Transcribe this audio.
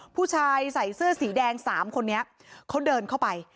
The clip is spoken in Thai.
ผู้ชายใส่เสื้อสีแดง๓คนนี้เขาเดินเข้าไป